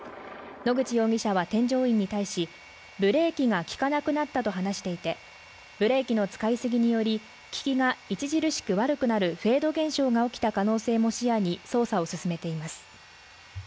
野口容疑者は添乗員に対しブレーキが利かなくなったと話していてブレーキの使いすぎにより効きが著しく悪くなるフェード現象が起きた可能性も視野に捜査を進めています